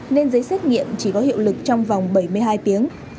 nên giấy xét nghiệm chỉ có hiệu lực trong vòng bảy mươi hai tiếng